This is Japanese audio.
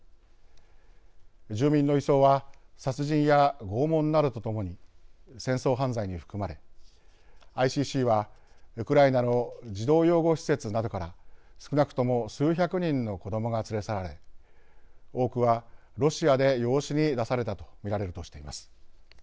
住民の移送は殺人や拷問などとともに戦争犯罪に含まれＩＣＣはウクライナの児童養護施設などから少なくとも数百人の子どもが連れ去られ多くはロシアで養子に出されたと見られるとしています。